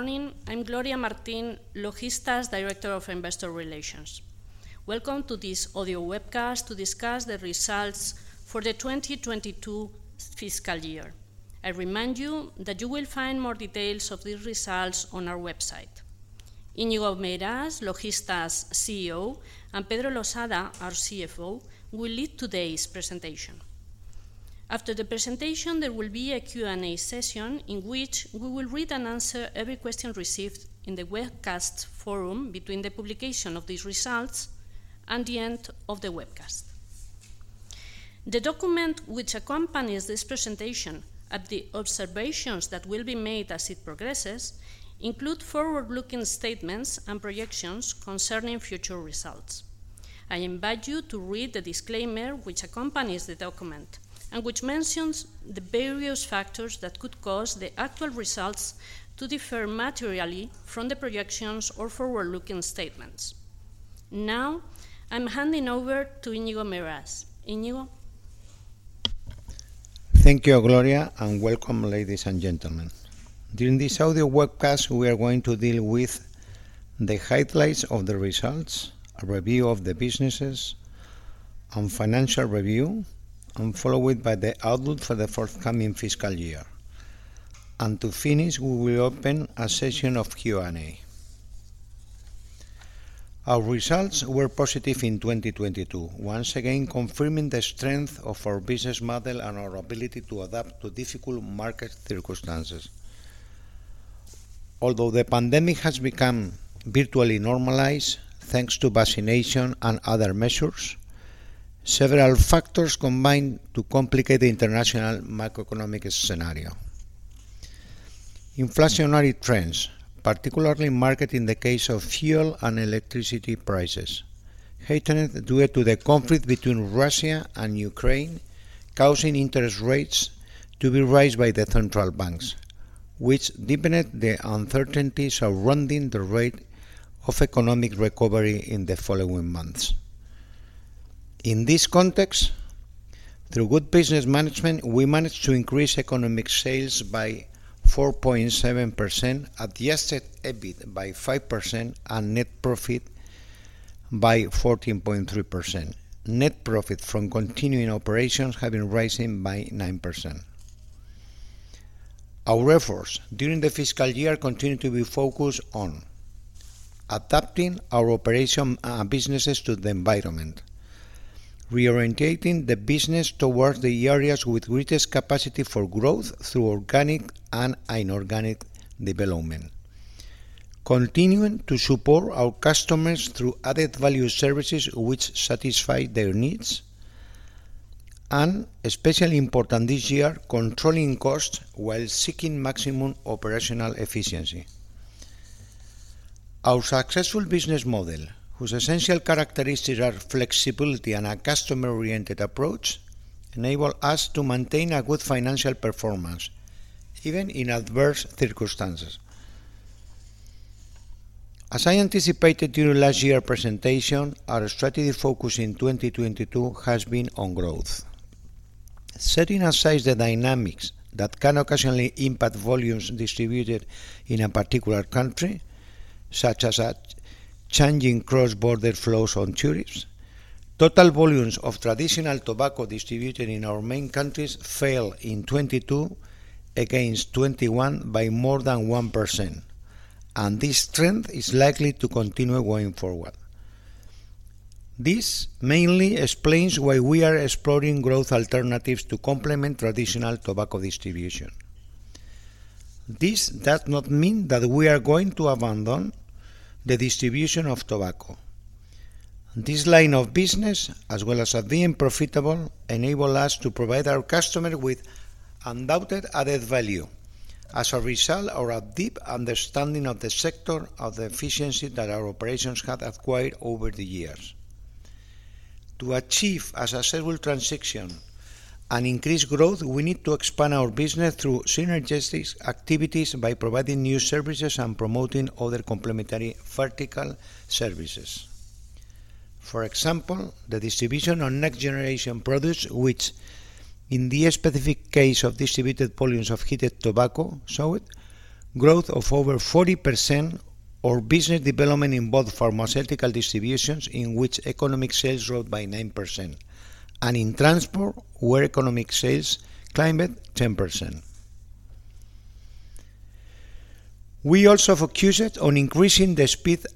Morning. I'm Gloria Martin, Logista's Director of Investor Relations. Welcome to this audio webcast to discuss the results for the FYF2022. I remind you that you will find more details of these results on our website. Íñigo Meirás, Logista's CEO, and Pedro Losada, our CFO, will lead today's presentation. After the presentation, there will be a Q&A session in which we will read and answer every question received in the webcast forum between the publication of these results and the end of the webcast. The document which accompanies this presentation and the observations that will be made as it progresses include forward-looking statements and projections concerning future results. I invite you to read the disclaimer which accompanies the document and which mentions the various factors that could cause the actual results to differ materially from the projections or forward-looking statements. Now, I'm handing over to Íñigo Meirás.Inigo? Thank you, Gloria, and welcome, ladies and gentlemen. During this audio webcast, we are going to deal with the highlights of the results, a review of the businesses and financial review, and followed by the outlook for the forthcoming FY. To finish, we will open a session of Q&A. Our results were positive in 2022, once again confirming the strength of our business model and our ability to adapt to difficult market circumstances. Although the pandemic has become virtually normalized thanks to vaccination and other measures, several factors combined to complicate the international macroeconomic scenario. Inflationary trends, particularly marked in the case of fuel and electricity prices, heightened due to the conflict between Russia and Ukraine, causing interest rates to be raised by the central banks, which deepened the uncertainties surrounding the rate of economic recovery in the following months. In this context, through good business management, we managed to increase economic sales by 4.7%, adjusted EBIT by 5%, and net profit by 14.3%. Net profit from continuing operations have been rising by 9%. Our efforts during the fiscal year continued to be focused on adapting our operation and businesses to the environment, reorienting the business towards the areas with greatest capacity for growth through organic and inorganic development, continuing to support our customers through added value services which satisfy their needs and, especially important this year, controlling costs while seeking maximum operational efficiency. Our successful business model, whose essential characteristics are flexibility and a customer-oriented approach, enable us to maintain a good financial performance even in adverse circumstances. As I anticipated during last year's presentation, our strategic focus in 2022 has been on growth. Setting aside the dynamics that can occasionally impact volumes distributed in a particular country, such as a changing cross-border flows on tourists, total volumes of traditional tobacco distributed in our main countries fell in 2022 against 2021 by more than 1%, and this trend is likely to continue going forward. This mainly explains why we are exploring growth alternatives to complement traditional tobacco distribution. This does not mean that we are going to abandon the distribution of tobacco. This line of business, as well as being profitable, enable us to provide our customer with undoubted added value. As a result of our deep understanding of the sector and the efficiency that our operations have acquired over the years. To achieve a successful transition and increase growth, we need to expand our business through synergistic activities by providing new services and promoting other complementary vertical services. For example, the distribution of next-generation products which, in the specific case of distributed volumes of heated tobacco, showed growth of over 40%, or business development in both pharmaceutical distributions, in which economic sales rose by 9%, and in transport, where economic sales climbed 10%. We also focused on increasing the speed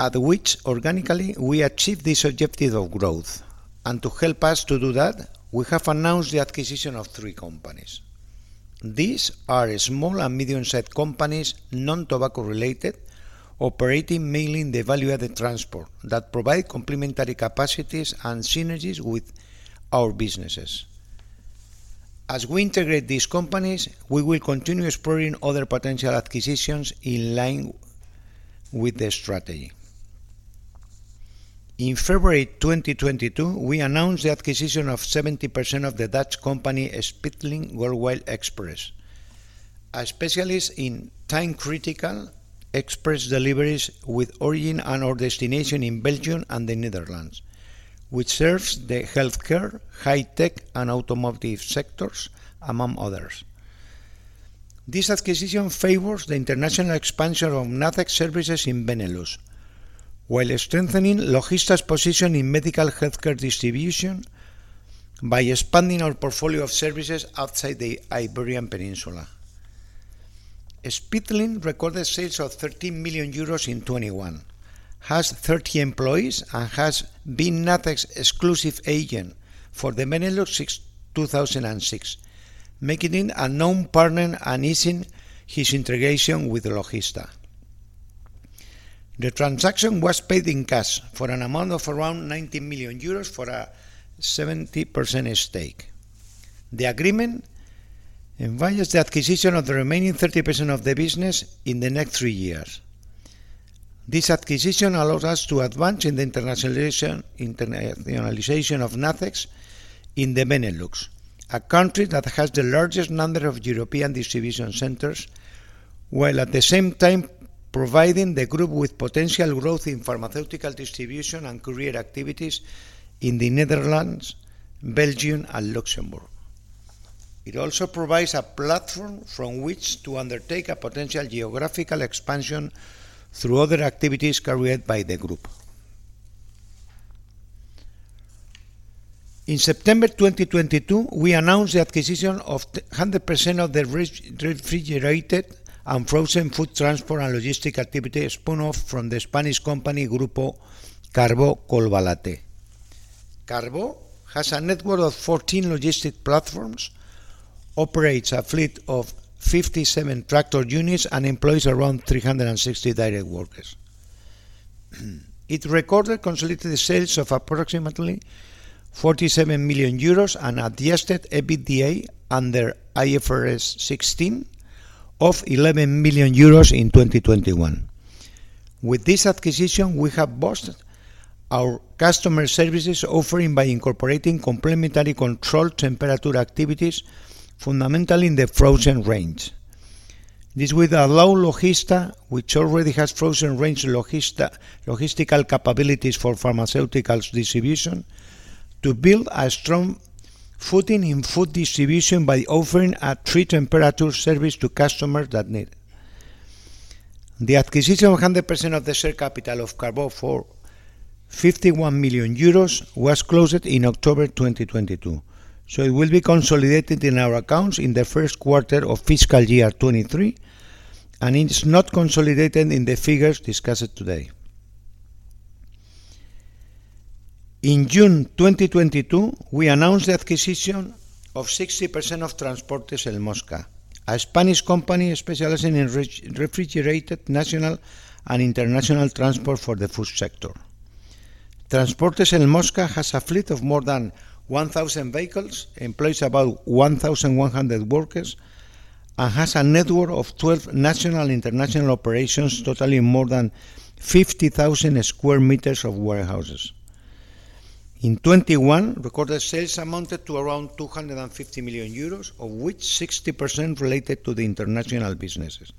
at which organically we achieve this objective of growth, and to help us to do that, we have announced the acquisition of three companies. These are small and medium-sized companies, non-tobacco related, operating mainly in the value-added transport that provide complementary capacities and synergies with our businesses. As we integrate these companies, we will continue exploring other potential acquisitions in line with the strategy. In February 2022, we announced the acquisition of 70% of the Dutch company Speedlink Worldwide Express, a specialist in time-critical express deliveries with origin and/or destination in Belgium and the Netherlands, which serves the healthcare, high tech, and automotive sectors, among others. This acquisition favors the international expansion of Nacex services in Benelux region, while strengthening Logista's position in medical healthcare distribution by expanding our portfolio of services outside the Iberian Peninsula. Speedlink recorded sales of 13 million euros in 2021, has 30 employees, and has been Nacex exclusive agent for the Benelux region since 2006, making it a known partner and easing its integration with Logista. The transaction was paid in cash for an amount of around 90 million euros for a 70% stake. The agreement includes the acquisition of the remaining 30% of the business in the next three years. This acquisition allows us to advance in the internationalization of Nacex in the Benelux region, a country that has the largest number of European distribution centers, while at the same time providing the group with potential growth in pharmaceutical distribution and carrier activities in the Netherlands, Belgium, and Luxembourg. It also provides a platform from which to undertake a potential geographical expansion through other activities carried by the group. In September 2022, we announced the acquisition of 100% of the refrigerated and frozen food transport and logistics activity spun off from the Spanish company, Carbó Collbatallé. Carbo has a network of 14 logistics platforms, operates a fleet of 57 tractor units, and employs around 360 direct workers. It recorded consolidated sales of approximately 47 million euros and adjusted EBITDA under IFRS 16 of 11 million euros in 2021. With this acquisition, we have boosted our customer services offering by incorporating complementary controlled temperature activities, fundamentally in the frozen range. This will allow Logista, which already has frozen range Logista-logistical capabilities for pharmaceuticals distribution, to build a strong footing in food distribution by offering a three-temperature service to customers that need it. The acquisition of 100% of the share capital of Carbó Collbatallé for 51 million euros was closed in October 2022, so it will be consolidated in our accounts in the Q1 of FY2023, and it's not consolidated in the figures discussed today. In June 2022, we announced the acquisition of 60% of El Mosca, a Spanish company specializing in refrigerated national and international transport for the food sector. El Mosca has a fleet of more than 1,000 vehicles, employs about 1,100 workers, and has a network of 12 national and international operations totaling more than 50,000 square meters of warehouses. In 2021, recorded sales amounted to around 250 million euros, of which 60% related to the international businesses.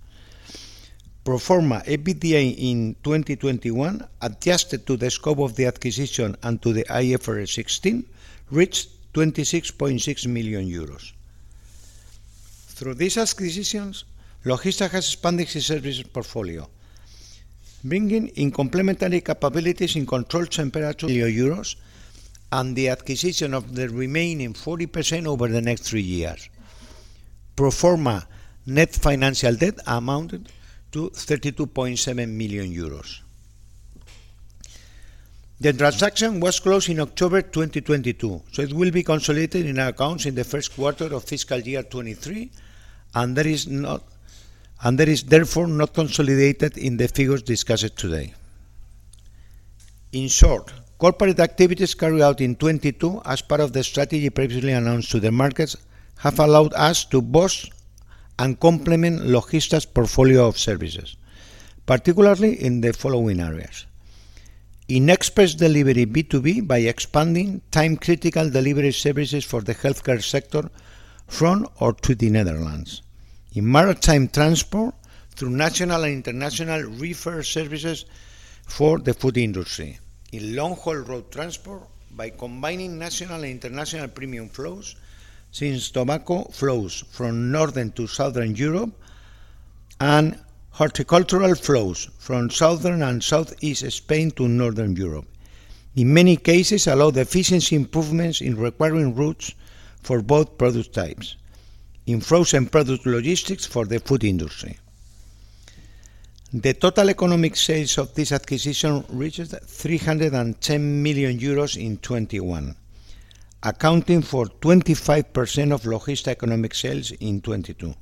Pro forma EBITDA in 2021, adjusted to the scope of the acquisition and to the IFRS 16, reached EUR 26.6 million. Through these acquisitions, Logista has expanded its services portfolio, bringing in complementary capabilities in controlled temperature million euros and the acquisition of the remaining 40% over the next three years. Pro forma net financial debt amounted to 32.7 million euros. The transaction was closed in October 2022, so it will be consolidated in our accounts in the Q1 of FY2023, and that is therefore not consolidated in the figures discussed today. In short, corporate activities carried out in 2022 as part of the strategy previously announced to the markets have allowed us to boost and complement Logista's portfolio of services, particularly in the following areas. In express delivery B2B by expanding time-critical delivery services for the healthcare sector from or to the Netherlands. In maritime transport through national and international reefer services for the food industry. In long-haul road transport by combining national and international premium flows, since tobacco flows from Northern to Southern Europe and horticultural flows from Southern and Southeast Spain to Northern Europe. In many cases, allow the efficiency improvements in recurring routes for both product types. In frozen product logistics for the food industry. The total economic sales of this acquisition reaches 310 million euros in 2021, accounting for 25% of Logista economic sales in 2022.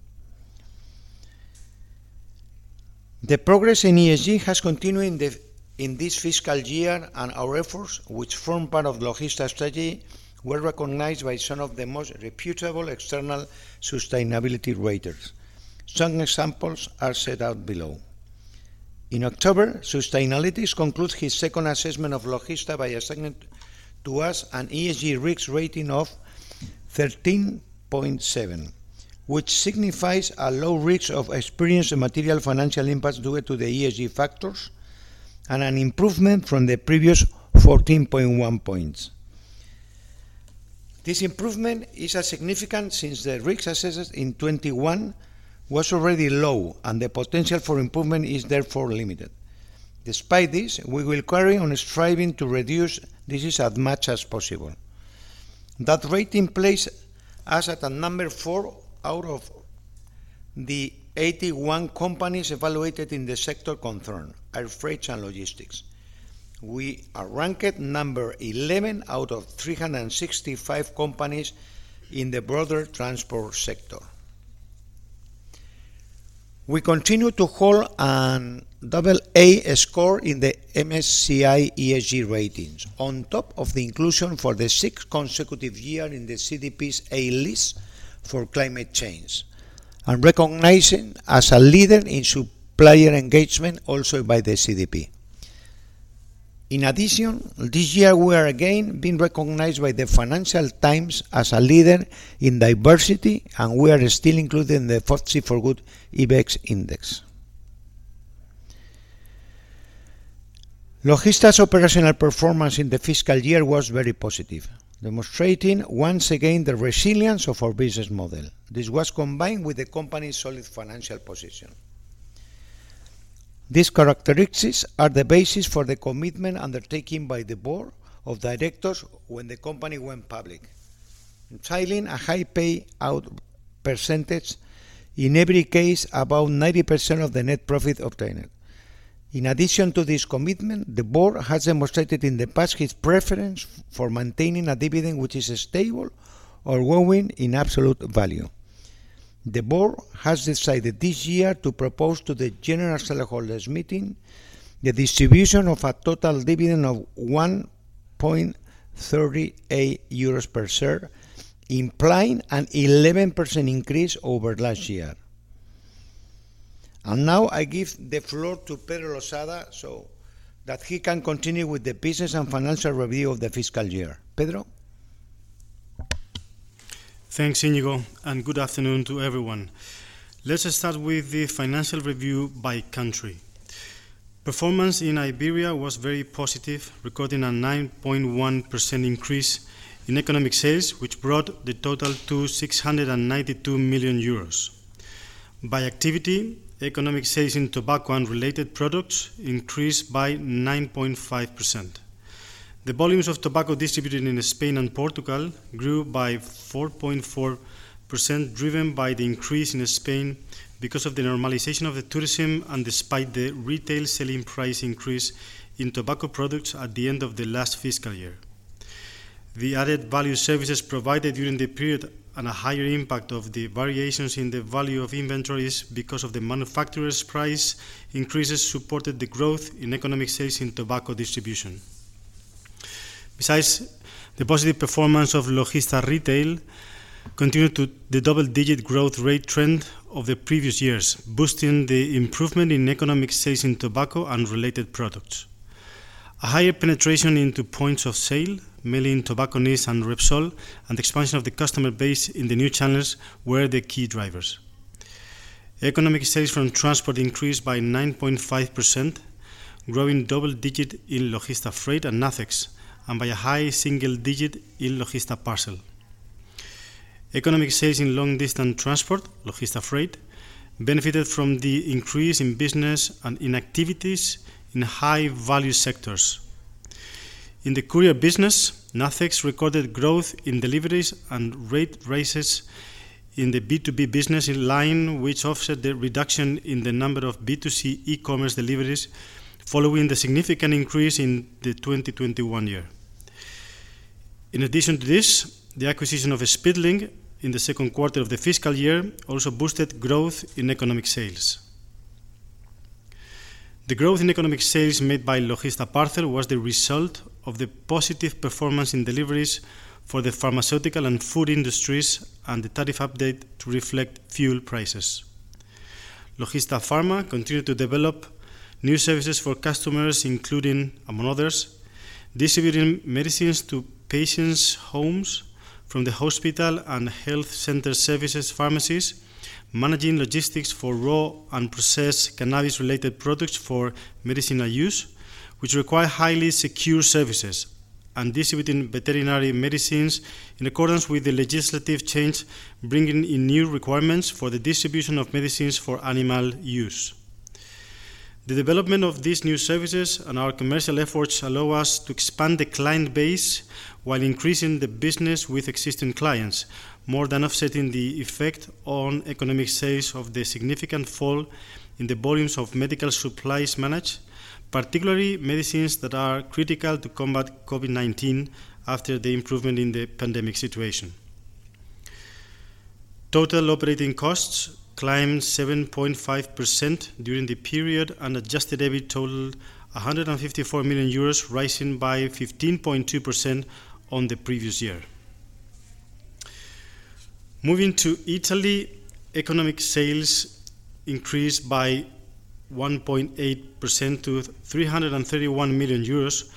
The progress in ESG has continued in this fiscal year, and our efforts, which form part of Logista's strategy, were recognized by some of the most reputable external sustainability raters. Some examples are set out below. In October, Sustainalytics concludes its second assessment of Logista by assigning to us an ESG risk rating of 13.7, which signifies a low risk of exposure to material financial impact due to the ESG factors and an improvement from the previous 14.1. This improvement is significant since the risk assessment in 2021 was already low, and the potential for improvement is therefore limited. Despite this, we will carry on striving to reduce this as much as possible. That rating places us at the number four out of the 81 companies evaluated in the sector concerned, air freight and logistics. We are ranked number 11 out of 365 companies in the broader transport sector. We continue to hold a double A score in the MSCI ESG ratings on top of the inclusion for the sixth consecutive year in the CDP's A list for climate change and recognized as a leader in supplier engagement also by the CDP. In addition, this year we are again being recognized by the Financial Times as a leader in diversity, and we are still included in the FTSE4Good IBEX index. Logista's operational performance in the fiscal year was very positive, demonstrating once again the resilience of our business model. This was combined with the company's solid financial position. These characteristics are the basis for the commitment undertaken by the board of directors when the company went public, maintaining a high pay out percentage, in every case, about 90% of the net profit obtained. In addition to this commitment, the board has demonstrated in the past its preference for maintaining a dividend which is stable or growing in absolute value. The board has decided this year to propose to the general shareholders meeting the distribution of a total dividend of 1.38 euros per share, implying an 11% increase over last year. Now I give the floor to Pedro Losada so that he can continue with the business and financial review of the FY. Pedro? Thanks, Iñigo, and good afternoon to everyone. Let's start with the financial review by country. Performance in Iberia was very positive, recording a 9.1% increase in economic sales, which brought the total to 692 million euros. By activity, economic sales in tobacco and related products increased by 9.5%. The volumes of tobacco distributed in Spain and Portugal grew by 4.4%, driven by the increase in Spain because of the normalization of the tourism and despite the retail selling price increase in tobacco products at the end of the last FY. The added value services provided during the period and a higher impact of the variations in the value of inventories because of the manufacturer's price increases supported the growth in economic sales in tobacco distribution. Besides, the positive performance of Logista Retail continued to the double-digit growth rate trend of the previous years, boosting the improvement in economic sales in tobacco and related products. A higher penetration into points of sale, mainly in tobacconists and Repsol, and expansion of the customer base in the new channels were the key drivers. Economic sales from transport increased by 9.5%, growing double-digit in Logista Freight and Nacex and by a high single-digit in Logista Parcel. Economic sales in long-distance transport, Logista Freight, benefited from the increase in business and in activities in high-value sectors. In the courier business, Nacex recorded growth in deliveries and rate raises in the B2B business in line, which offset the reduction in the number of B2C e-commerce deliveries following the significant increase in the 2021 year. In addition to this, the acquisition of Speedlink in the second quarter of the fiscal year also boosted growth in organic sales. The growth in organic sales made by Logista Parcel was the result of the positive performance in deliveries for the pharmaceutical and food industries and the tariff update to reflect fuel prices. Logista Pharma continued to develop new services for customers, including, among others, distributing medicines to patients' homes from the hospital and health center services pharmacies, managing logistics for raw and processed cannabis-related products for medicinal use, which require highly secure services, and distributing veterinary medicines in accordance with the legislative change, bringing in new requirements for the distribution of medicines for animal use. The development of these new services and our commercial efforts allow us to expand the client base while increasing the business with existing clients, more than offsetting the effect on economic sales of the significant fall in the volumes of medical supplies managed, particularly medicines that are critical to combat COVID-19 after the improvement in the pandemic situation. Total operating costs climbed 7.5% during the period, and adjusted EBIT totaled 154 million euros, rising by 15.2% on the previous year. Moving to Italy, economic sales increased by 1.8% to 331 million euros,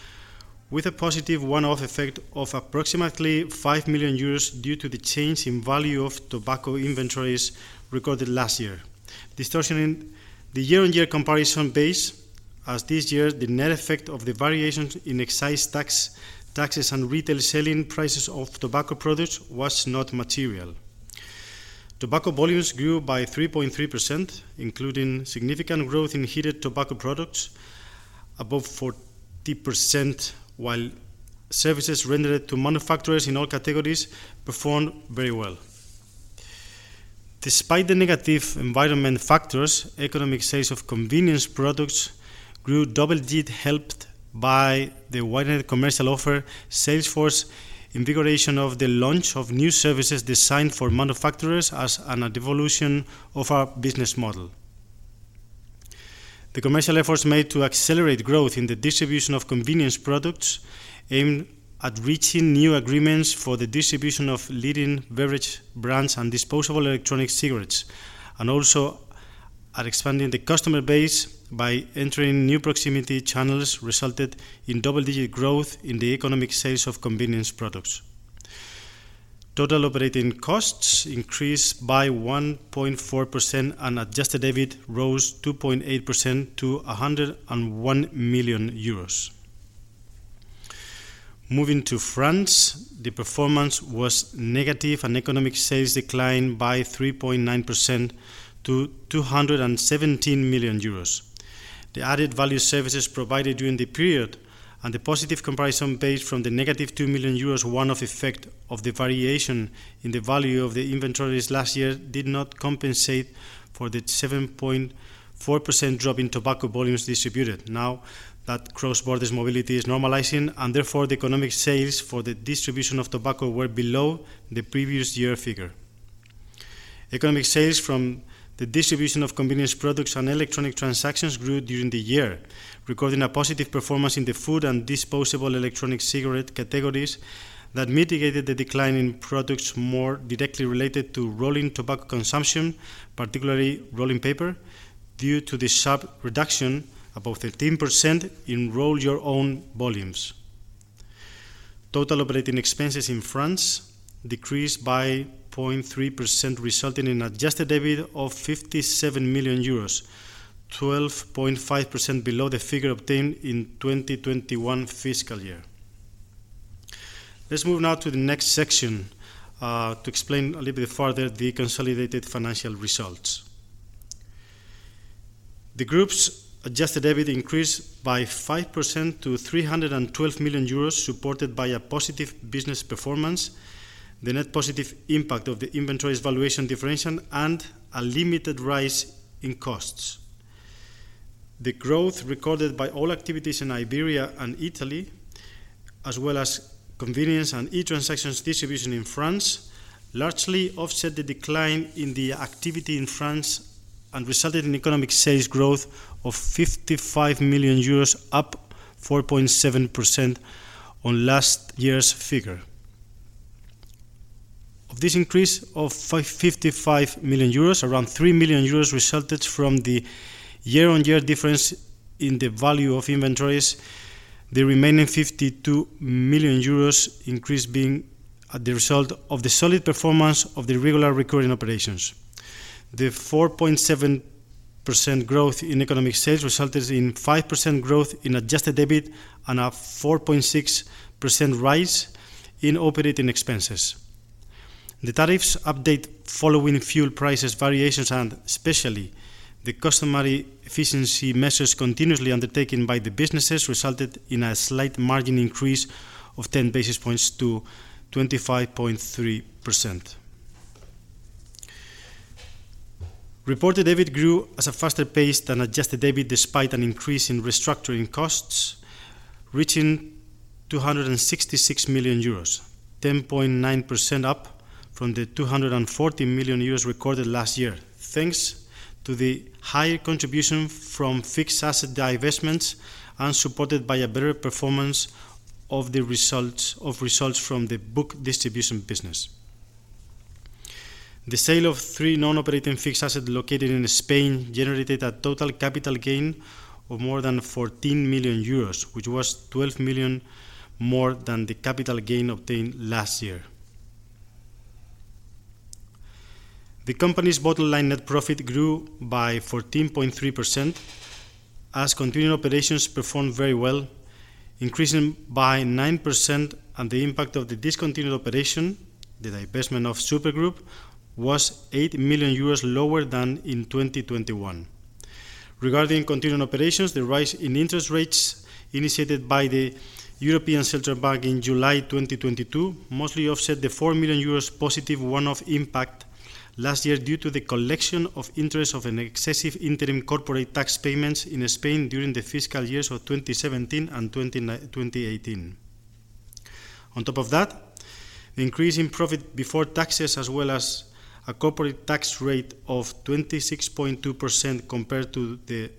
with a positive one-off effect of approximately 5 million euros due to the change in value of tobacco inventories recorded last year. Distortion in the year-on-year comparison base as this year, the net effect of the variations in excise tax, taxes, and retail selling prices of tobacco products was not material. Tobacco volumes grew by 3.3%, including significant growth in heated tobacco products above 40%, while services rendered to manufacturers in all categories performed very well. Despite the negative environmental factors, economic sales of convenience products grew double-digit, helped by the wider commercial offer, sales force invigoration of the launch of new services designed for manufacturers as an evolution of our business model. The commercial efforts made to accelerate growth in the distribution of convenience products aimed at reaching new agreements for the distribution of leading beverage brands and disposable electronic cigarettes, and also at expanding the customer base by entering new proximity channels, resulted in double-digit growth in the economic sales of convenience products. Total operating costs increased by 1.4%, and adjusted EBIT rose 2.8% to 101 million euros. Moving to France, the performance was negative, and economic sales declined by 3.9% to 217 million euros. The added value services provided during the period and the positive comparison base from the 2 million euros one-off effect of the variation in the value of the inventories last year did not compensate for the 7.4% drop in tobacco volumes distributed. Now that cross-border mobility is normalizing, and therefore, the economic sales for the distribution of tobacco were below the previous year figure. Economic sales from the distribution of convenience products and electronic transactions grew during the year, recording a positive performance in the food and disposable electronic cigarette categories that mitigated the decline in products more directly related to rolling tobacco consumption, particularly rolling paper, due to the sharp reduction, about 13%, in roll your own volumes. Total operating expenses in France decreased by 0.3%, resulting in adjusted EBIT of 57 million euros, 12.5% below the figure obtained in 2021 fiscal year. Let's move now to the next section, to explain a little bit further the consolidated financial results. The group's adjusted EBIT increased by 5% to 312 million euros, supported by a positive business performance, the net positive impact of the inventory's valuation differential, and a limited rise in costs. The growth recorded by all activities in Iberia and Italy, as well as convenience and e-transactions distribution in France, largely offset the decline in the activity in France and resulted in economic sales growth of 55 million euros, up 4.7% on last year's figure. Of this increase of 55 million euros, around 3 million euros resulted from the year-on-year difference in the value of inventories, the remaining 52 million euros increase being the result of the solid performance of the regular recurring operations. The 4.7% growth in economic sales resulted in 5% growth in adjusted EBIT and a 4.6% rise in operating expenses. The tariffs update following fuel prices variations and especially the customary efficiency measures continuously undertaken by the businesses resulted in a slight margin increase of 10 basis points to 25.3%. Reported EBIT grew at a faster pace than adjusted EBIT despite an increase in restructuring costs, reaching 266 million euros, 10.9% up from the 240 million euros recorded last year, thanks to the higher contribution from fixed asset divestments and supported by a better performance of the results from the book distribution business. The sale of three non-operating fixed assets located in Spain generated a total capital gain of more than 14 million euros, which was 12 million more than the capital gain obtained last year. The company's bottom-line net profit grew by 14.3%, as continuing operations performed very well, increasing by 9%, and the impact of the discontinued operation, the divestment of Supergroup, was 8 million euros lower than in 2021. Regarding continuing operations, the rise in interest rates initiated by the European Central Bank in July 2022 mostly offset the 4 million euros positive one-off impact last year due to the collection of interest on excessive interim corporate tax payments in Spain during the FY2017 and 2018. On top of that, the increase in profit before taxes, as well as a corporate tax rate of 26.2% compared to the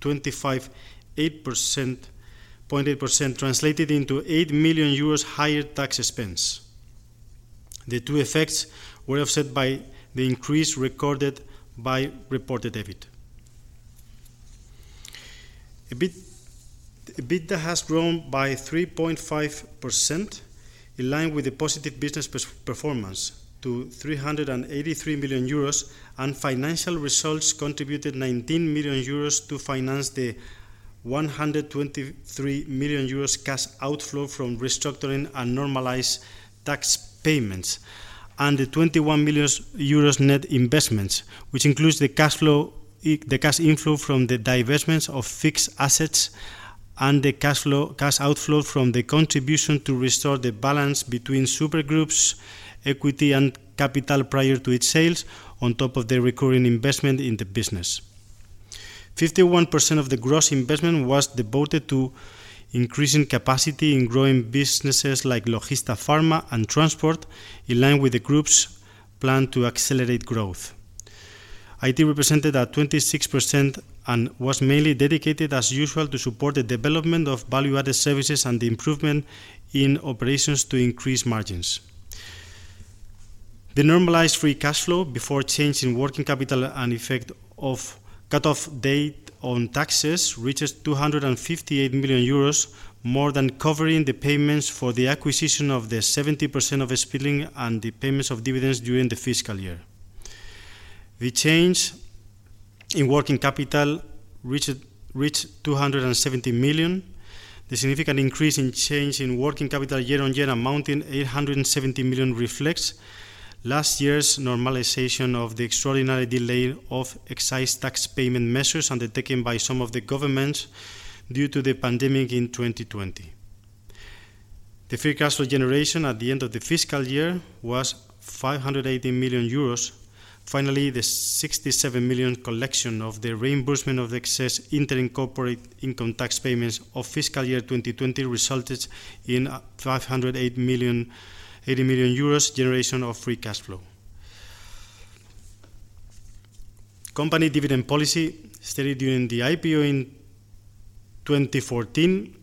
25.8%, translated into 8 million euros higher tax expense. The two effects were offset by the increase recorded by reported EBIT. EBITDA has grown by 3.5%, in line with the positive business performance, to 383 million euros, and financial results contributed 19 million euros to finance the 123 million euros cash outflow from restructuring and normalized tax payments and the 21 million euros net investments, which includes the cash inflow from the divestments of fixed assets and the cash outflow from the contribution to restore the balance between Supergroup's equity and capital prior to its sale on top of the recurring investment in the business. 51% of the gross investment was devoted to increasing capacity in growing businesses like Logista Pharma and Transport, in line with the group's plan to accelerate growth. IT represented 26% and was mainly dedicated, as usual, to support the development of value-added services and the improvement in operations to increase margins. The normalized free cash flow before change in working capital and effect of cutoff date on taxes reaches 258 million euros, more than covering the payments for the acquisition of the 70% of Speedlink and the payments of dividends during the fiscal year. The change in working capital reached 270 million. The significant increase in change in working capital year-on-year amounting 870 million reflects last year's normalization of the extraordinary delay of excise tax payment measures undertaken by some of the governments due to the pandemic in 2020. The free cash flow generation at the end of the fiscal year was 580 million euros. Finally, the 67 million collection of the reimbursement of the excess interim corporate income tax payments of FY2020 resulted in 508.8 million generation of free cash flow. Company dividend policy stated during the IPO in 2014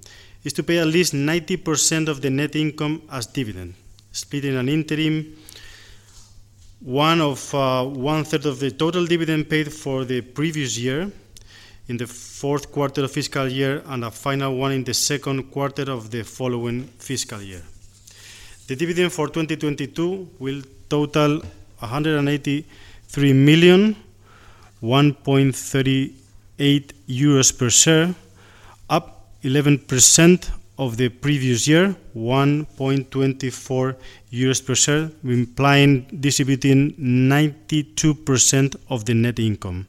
is to pay at least 90% of the net income as dividend, split in an interim one of one-third of the total dividend paid for the previous year in the FY of Q4 and a final one in the Q2 of the following FY. The dividend for 2022 will total 183 million, 1.38 euros per share, up 11% from the previous year, 1.24 euros per share, implying distributing 92% of the net income.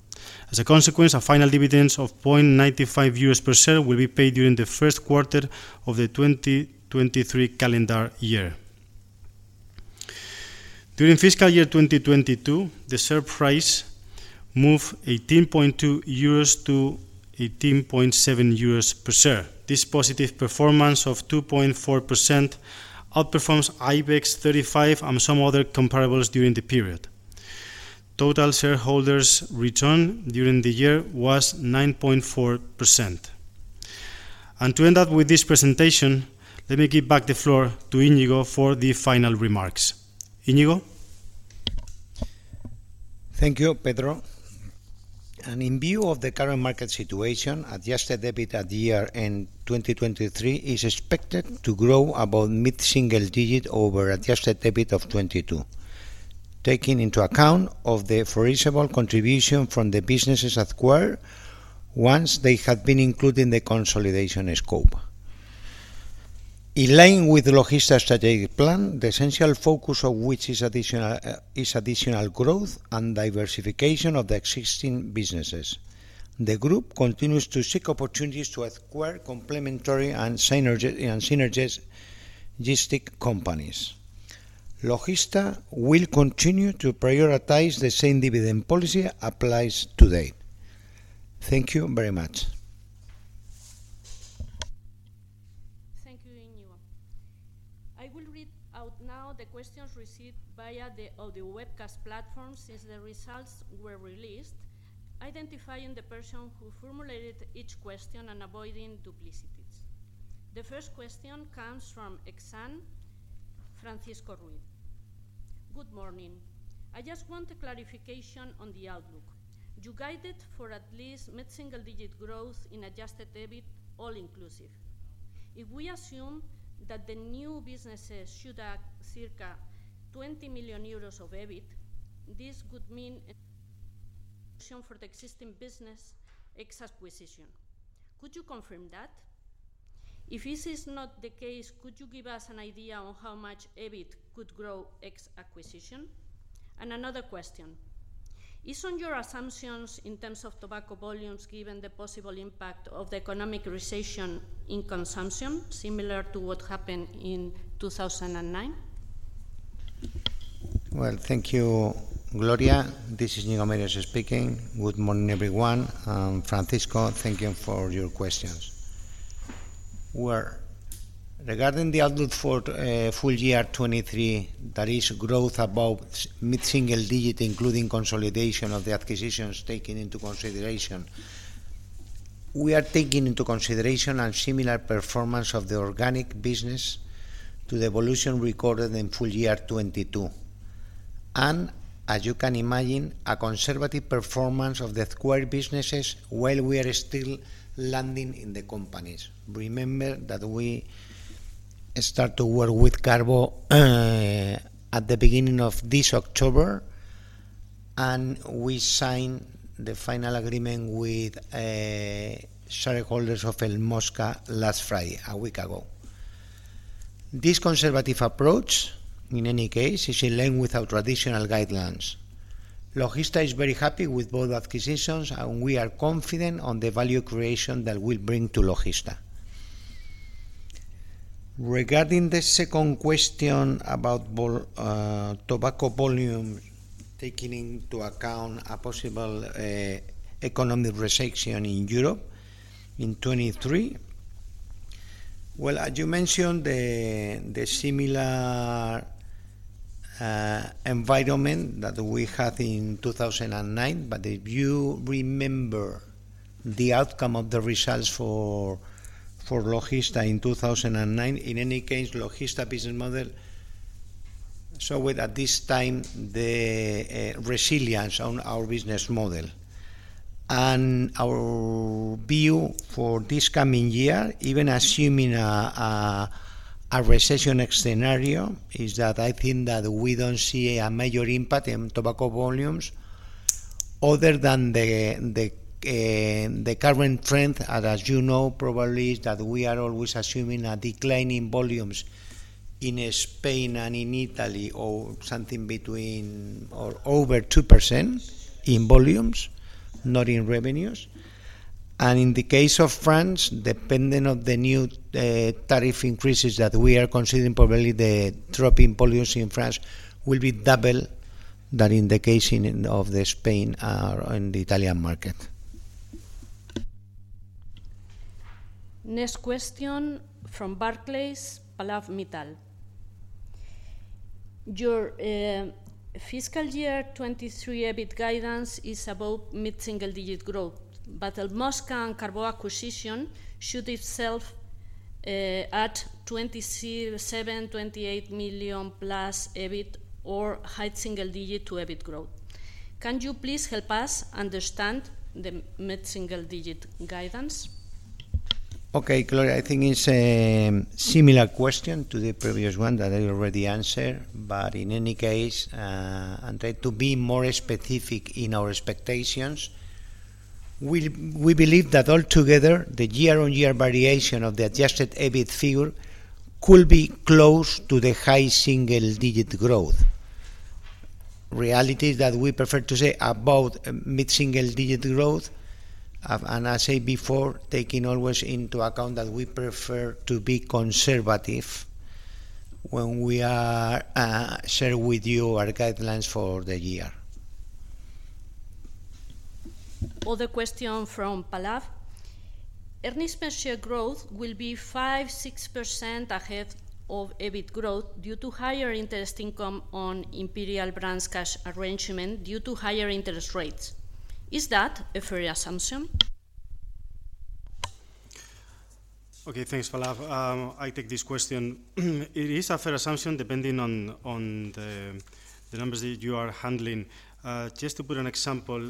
As a consequence, our final dividends of 0.95 per share will be paid during the Q1 of the 2023 calendar year. During FY2022, the share price moved 18.2-18.7 euros per share. This positive performance of 2.4% outperforms IBEX 35 and some other comparables during the period. Total shareholders' return during the year was 9.4%. To end up with this presentation, let me give back the floor to Íñigo for the final remarks. Íñigo? Thank you, Pedro. In view of the current market situation, adjusted EBIT at year-end 2023 is expected to grow about mid-single digit over adjusted EBIT of 2022, taking into account of the foreseeable contribution from the businesses acquired once they have been included in the consolidation scope. In line with Logista's strategic plan, the essential focus of which is additional growth and diversification of the existing businesses, the group continues to seek opportunities to acquire complementary and synergistic companies. Logista will continue to prioritize the same dividend policy applies today. Thank you very much. Thank you, Íñigo. I will read out now the questions received via the audio webcast platform since the results were released, identifying the person who formulated each question and avoiding duplicities. The first question comes from Exane BNP Paribas, Francisco Ruiz. Good morning. I just want a clarification on the outlook. You guided for at least mid-single-digit growth in adjusted EBIT, all inclusive. If we assume that the new businesses should add circa 20 million euros of EBIT, this could mean for the existing business ex acquisition. Could you confirm that? If this is not the case, could you give us an idea on how much EBIT could grow ex acquisition? Another question is on your assumptions in terms of tobacco volumes given the possible impact of the economic recession in consumption, similar to what happened in 2009? Well, thank you, Gloria. This is Íñigo Meirás speaking. Good morning, everyone, Francisco, thank you for your questions. Well, regarding the outlook for full-year 2023, there is growth above mid-single digit, including consolidation of the acquisitions taken into consideration. We are taking into consideration a similar performance of the organic business to the evolution recorded in full year 2022. As you can imagine, a conservative performance of the acquired businesses while we are still landing in the companies. Remember that we start to work with Carbó at the beginning of this October, and we sign the final agreement with shareholders of El Mosca last Friday, a week ago. This conservative approach, in any case, is in line with our traditional guidelines. Logista is very happy with both acquisitions, and we are confident on the value creation that will bring to Logista. Regarding the second question about tobacco volume, taking into account a possible economic recession in Europe in 2023. Well, as you mentioned, the similar environment that we had in 2009, but if you remember the outcome of the results for Logista in 2009, in any case, Logista business model showed at this time the resilience on our business model. Our view for this coming year, even assuming a recession scenario, is that I think that we don't see a major impact in tobacco volumes other than the current trend. As you know probably, is that we are always assuming a decline in volumes in Spain and in Italy, or something between or over 2% in volumes, not in revenues. In the case of France, depending on the new tariff increases that we are considering, probably the drop in volumes in France will be double that in the case of Spain or in the Italian market. Next question from Barclays, Pallav Mittal. Your fiscal year 2023 EBIT guidance is about mid-single-digit growth, but El Mosca and Carbó acquisition should itself add 27 million-28 million plus EBIT or high single-digit to EBIT growth. Can you please help us understand the mid-single-digit guidance? Okay, Gloria, I think it's similar question to the previous one that I already answered. In any case, and try to be more specific in our expectations, we believe that altogether, the year-over-year variation of the adjusted EBIT figure could be close to the high single-digit growth. Reality is that we prefer to say about mid-single-digit growth. As I said before, taking always into account that we prefer to be conservative when we share with you our guidelines for the year. Other question from Pallav. Earnings per share growth will be 5%-6% ahead of EBIT growth due to higher interest income on Imperial Brands cash arrangement due to higher interest rates. Is that a fair assumption? Thanks, Pallav. I take this question. It is a fair assumption, depending on the numbers that you are handling. Just to put an example,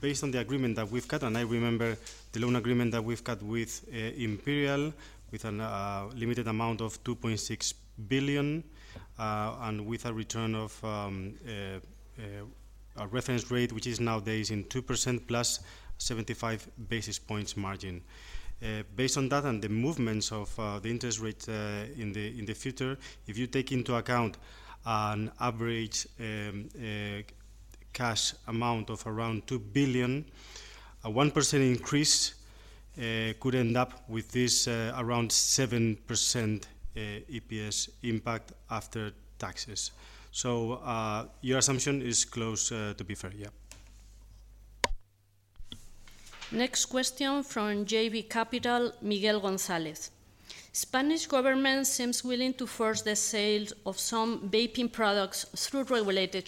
based on the agreement that we've got. I remember the loan agreement that we've got with Imperial, with a limited amount of 2.6 billion, and with a return of a reference rate, which is nowadays at 2% plus 75 basis points margin. Based on that and the movements of the interest rate in the future, if you take into account an average cash amount of around 2 billion, a 1% increase could end up with around 7% EPS impact after taxes. Your assumption is close to be fair. Yeah. Next question from JB Capital, Miguel Gonzalez. Spanish government seems willing to force the sale of some vaping products through regulated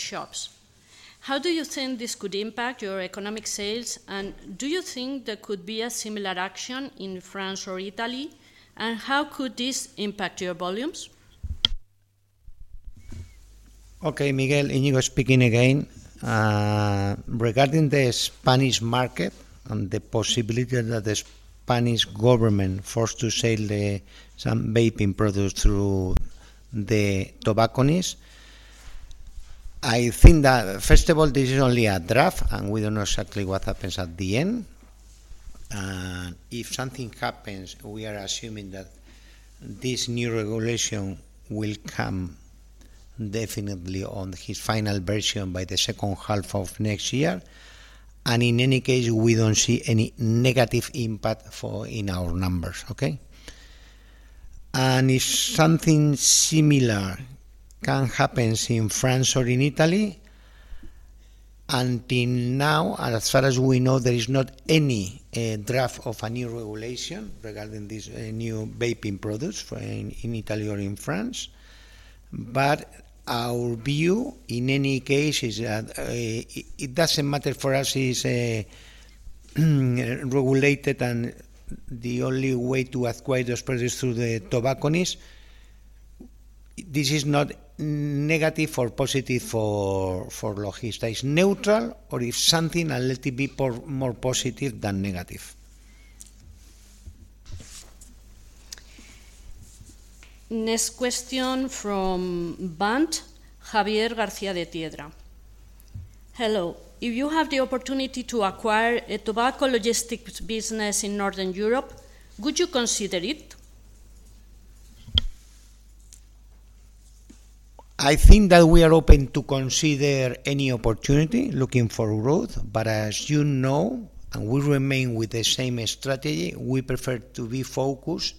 shops. How do you think this could impact your e-commerce sales, and do you think there could be a similar action in France or Italy, and how could this impact your volumes? Okay, Miguel. Íñigo speaking again. Regarding the Spanish market and the possibility that the Spanish government forced to sell some vaping products through the tobacconists, I think that, first of all, this is only a draft, and we don't know exactly what happens at the end. If something happens, we are assuming that this new regulation will come definitely on its final version by the H2 of next year. In any case, we don't see any negative impact in our numbers. Okay? If something similar can happens in France or in Italy. Until now, and as far as we know, there is not any draft of a new regulation regarding this new vaping products in Italy or in France. Our view, in any case, is that it doesn't matter for us. It is regulated and the only way to acquire those products is through the tobacconist. This is not negative or positive for Logista. It's neutral, or if something, a little bit more positive than negative. Next question from Bankinter, Javier García de Tiedra. Hello. If you have the opportunity to acquire a tobacco logistics business in Northern Europe, would you consider it? I think that we are open to consider any opportunity looking for growth. As we remain with the same strategy, we prefer to be focused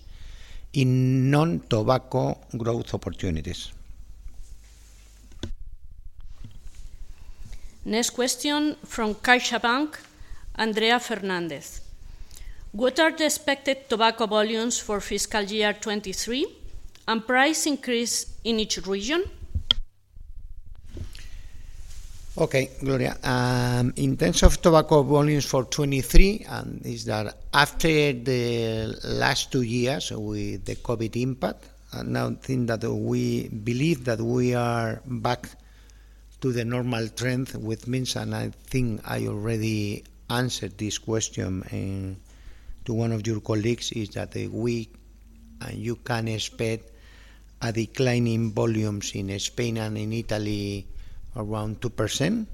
in non-tobacco growth opportunities. Next question from CaixaBank, Andrea Fernández Sanz. What are the expected tobacco volumes for FY2023, and price increase in each region? Okay, Gloria. In terms of tobacco volumes for 2023, is that after the last two years with the COVID-19 impact, and now I think that we believe that we are back to the normal trend, which means, and I think I already answered this question to one of your colleagues, is that you can expect a decline in volumes in Spain and in Italy around 2%,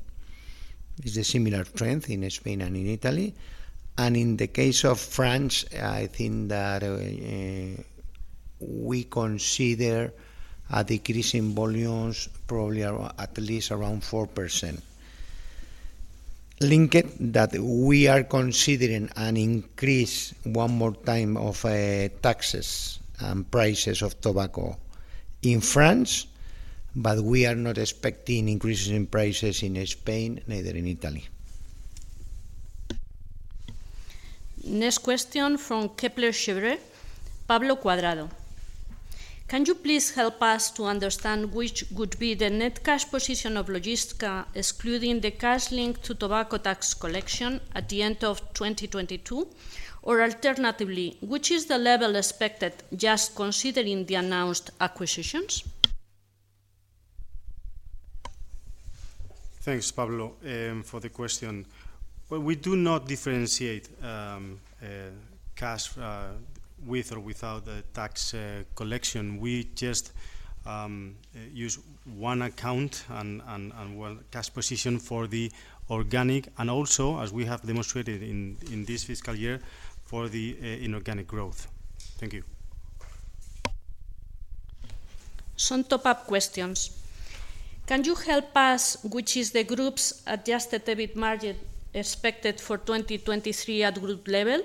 is the similar trend in Spain and in Italy. In the case of France, I think that we consider a decrease in volumes probably around, at least around 4%. Given that we are considering an increase one more time of taxes and prices of tobacco in France, but we are not expecting increases in prices in Spain, neither in Italy. Next question from Kepler Cheuvreux, Pablo Cuadrado. Can you please help us to understand which would be the net cash position of Logista excluding the cash linked to tobacco tax collection at the end of 2022? Or alternatively, which is the level expected just considering the announced acquisitions? Thanks, Pablo, for the question. Well, we do not differentiate cash with or without the tax collection. We just use one account and one cash position for the organic, and also, as we have demonstrated in this fiscal year, for the inorganic growth. Thank you. Some follow-up questions. Can you tell us what is the group's adjusted EBIT margin expected for 2023 at group level?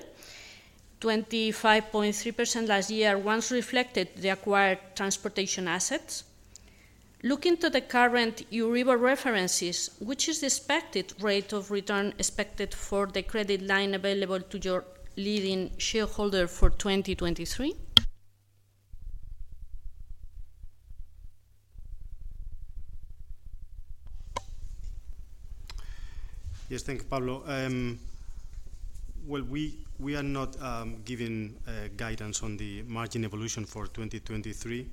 25.3% last year, which reflected the acquired transportation assets. Looking to the current Euribor references, what is the expected rate of return for the credit line available to your leading shareholder for 2023? Yes, thank you, Pablo. Well, we are not giving guidance on the margin evolution for 2023.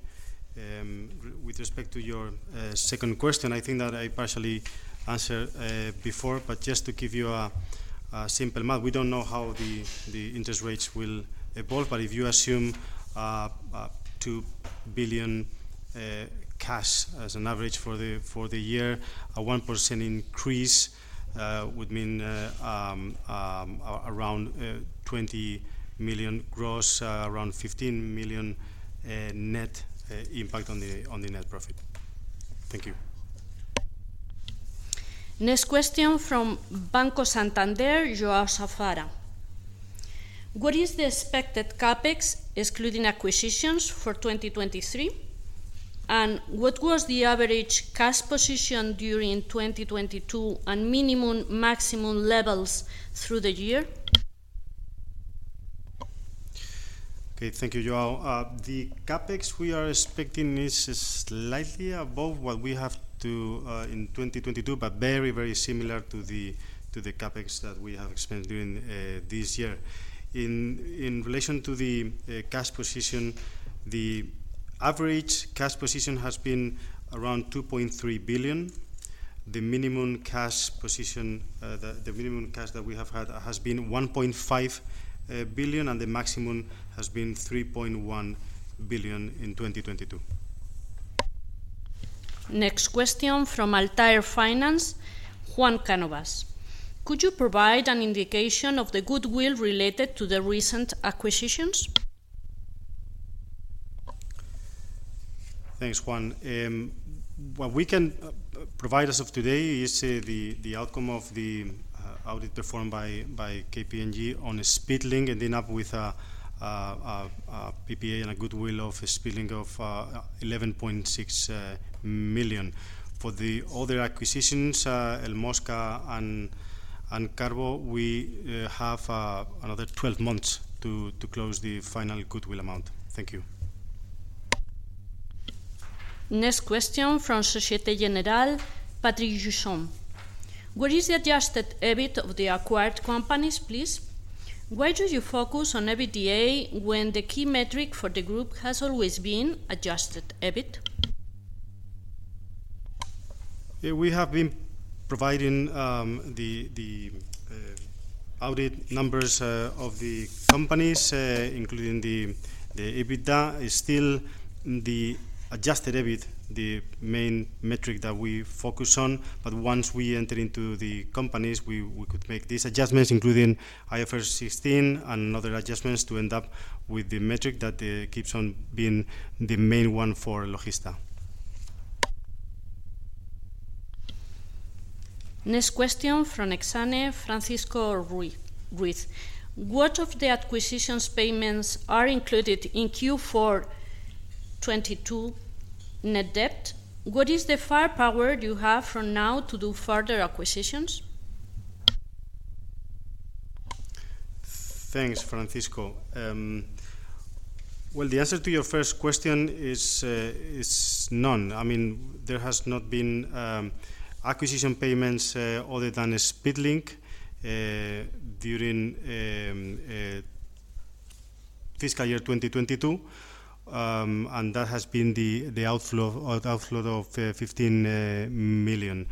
With respect to your second question, I think that I partially answered before, but just to give you a simple math. We don't know how the interest rates will evolve, but if you assume 2 billion cash as an average for the year, a 1% increase would mean around 20 million gross, around 15 million net impact on the net profit. Thank you. Next question from Banco Santander, João Safara Silva. What is the expected CapEx excluding acquisitions for 2023? What was the average cash position during 2022 and minimum, maximum levels through the year? Okay, thank you, João. The CapEx we are expecting is slightly above what we have to in 2022, but very similar to the CapEx that we have spent during this year. In relation to the cash position, the average cash position has been around 2.3 billion. The minimum cash position, the minimum cash that we have had has been 1.5 billion, and the maximum has been 3.1 billion in 2022. Next question from Altair Finance, Juan Cánovas. Could you provide an indication of the goodwill related to the recent acquisitions? Thanks, Juan. What we can provide as of today is the outcome of the audit performed by KPMG on Speedlink ending up with PPA and a goodwill of Speedlink of 11.6 million. For the other acquisitions, El Mosca and Carbó, we have another 12 months to close the final goodwill amount. Thank you. Next question from Société Générale, Patrick Perreault. What is the adjusted EBIT of the acquired companies, please? Why do you focus on EBITDA when the key metric for the group has always been adjusted EBIT? Yeah, we have been providing the audit numbers of the companies, including the EBITDA, is still the adjusted EBIT, the main metric that we focus on. Once we enter into the companies, we could make these adjustments, including IFRS 16 and other adjustments, to end up with the metric that keeps on being the main one for Logista. Next question from Exane, Francisco Ruiz. What of the acquisitions payments are included in Q4 2022 net debt? What is the firepower you have for now to do further acquisitions? Thanks, Francisco. Well, the answer to your first question is none. I mean, there has not been acquisition payments other than Speedlink during FY2022, and that has been the outflow of 15 million.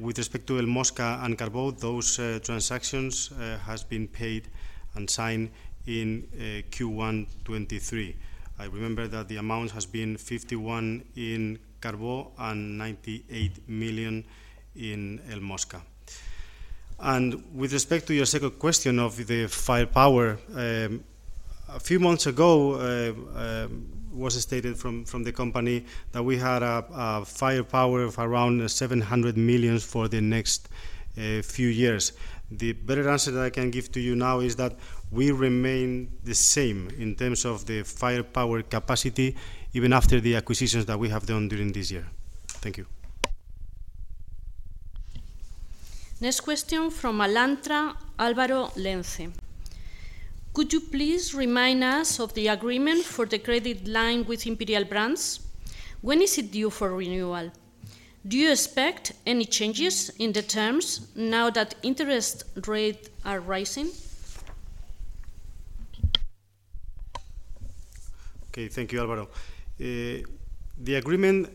With respect to El Mosca and Carbó, those transactions has been paid and signed in Q1 2023. I remember that the amount has been 51 million in Carbó and 98 million in El Mosca. With respect to your second question of the firepower, a few months ago was stated from the company that we had a firepower of around 700 million for the next few years. The better answer that I can give to you now is that we remain the same in terms of the firepower capacity even after the acquisitions that we have done during this year. Thank you. Next question from Alantra, Álvaro Lence. Could you please remind us of the agreement for the credit line with Imperial Brands? When is it due for renewal? Do you expect any changes in the terms now that interest rates are rising? Okay. Thank you, Álvaro. The agreement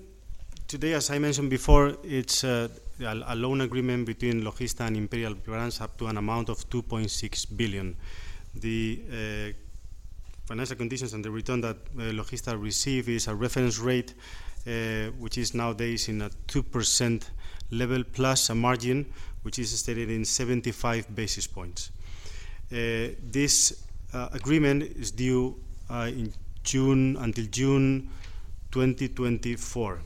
today, as I mentioned before, it's a loan agreement between Logista and Imperial Brands up to an amount of 2.6 billion. The financial conditions and the return that Logista receive is a reference rate, which is nowadays in a 2% level, plus a margin which is stated in 75 basis points. This agreement is due until June 2024.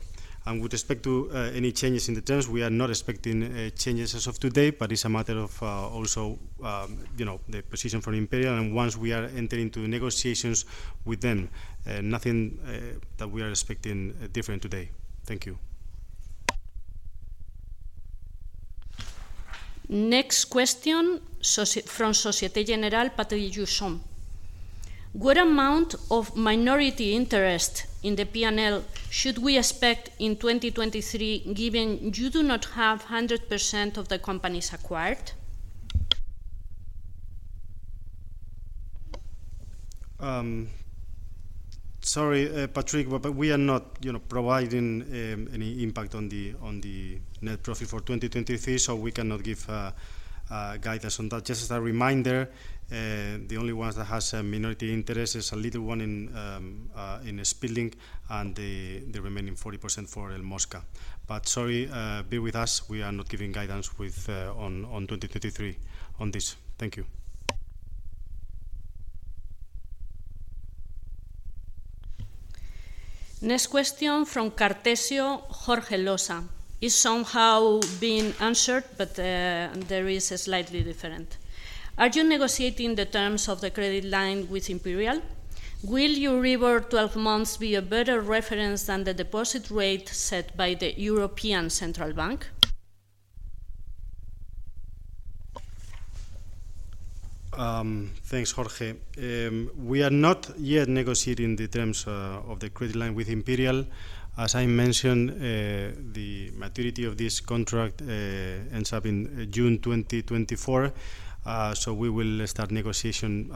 With respect to any changes in the terms, we are not expecting changes as of today, but it's a matter of also you know the position for Imperial and once we are entering into negotiations with them. Nothing that we are expecting different today. Thank you. Next question from Société Générale, Patrick Perreault. What amount of minority interest in the P&L should we expect in 2023, given you do not have 100% of the companies acquired? Sorry, Patrick, but we are not, you know, providing any impact on the net profit for 2023, so we cannot give guidance on that. Just as a reminder, the only ones that has a minority interest is a little one in Speedlink and the remaining 40% for El Mosca. Sorry, bear with us, we are not giving guidance on 2023 on this. Thank you. Next question from Cartesio, Jorge Losa. It has somehow been answered, but there is a slight difference. Are you negotiating the terms of the credit line with Imperial? Will your Euribor 12 months be a better reference than the deposit rate set by the European Central Bank? Thanks, Jorge. We are not yet negotiating the terms of the credit line with Imperial. As I mentioned, the maturity of this contract ends up in June 2024. We will start negotiation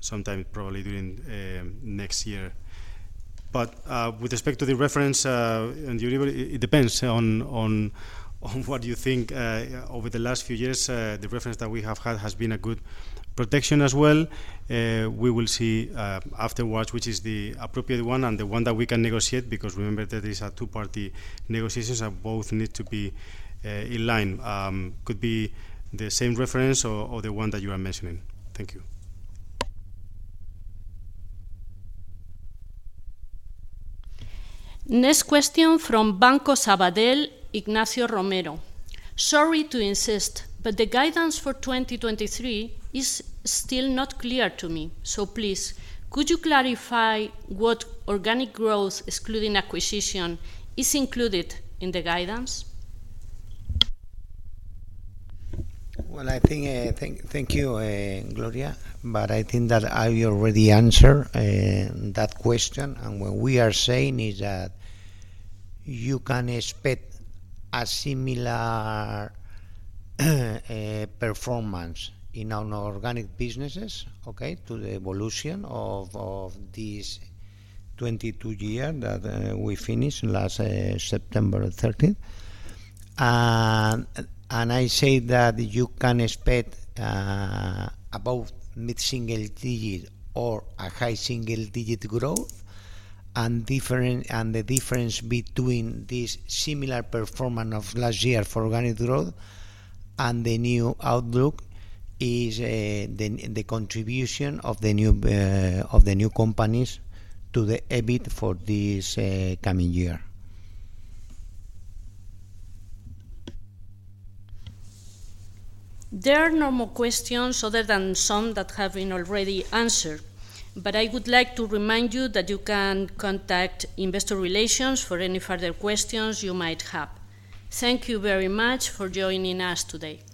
sometime probably during next year. With respect to the reference and the Euribor, it depends on what you think. Over the last few years, the reference that we have had has been a good protection as well. We will see afterwards which is the appropriate one and the one that we can negotiate, because remember that is a two-party negotiations and both need to be in line. Could be the same reference or the one that you are mentioning. Thank you. Next question from Banco de Sabadell, Ignacio Romero. Sorry to insist, but the guidance for 2023 is still not clear to me. Please, could you clarify what organic growth excluding acquisition is included in the guidance? I think, thank you, Gloria, but I think that I already answer that question. What we are saying is that you can expect a similar performance in our non-organic businesses, okay, to the evolution of this 2022 year that we finished last September 13. I say that you can expect above mid-single-digit or a high single-digit growth and the difference between this similar performance of last year for organic growth and the new outlook is the contribution of the new companies to the EBIT for this coming year. There are no more questions other than some that have been already answered, but I would like to remind you that you can contact investor relations for any further questions you might have. Thank you very much for joining us today.